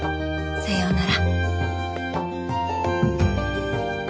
さようなら。